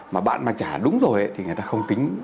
mà bạn mang trả đúng rồi thì người ta không tính